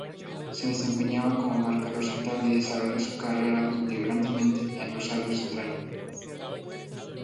Se desempeñaba como marcador central y desarrolló su carrera íntegramente en Rosario Central.